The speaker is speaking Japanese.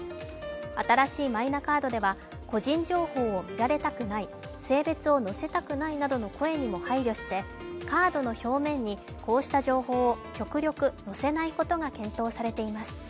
新しいマイナカードでは個人情報を見られたくない、性別を載せたくないなどの声にも配慮してカードの表面にこうした情報を極力載せないことが検討されています。